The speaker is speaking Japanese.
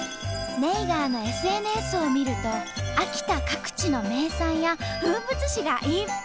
ネイガーのＳＮＳを見ると秋田各地の名産や風物詩がいっぱい！